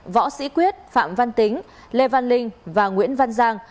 võ sĩ quyết phạm văn tính lê văn linh và nguyễn văn giang